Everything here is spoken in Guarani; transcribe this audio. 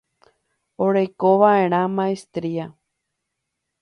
Orekova'erã maestría.